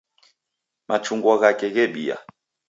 Machungwa ghake ghebia